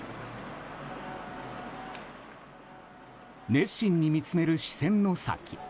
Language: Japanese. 熱心に見つめる視線の先。